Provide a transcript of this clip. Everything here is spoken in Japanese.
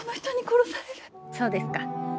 そうですか。